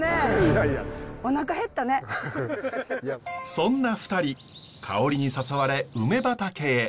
そんな２人香りに誘われウメ畑へ。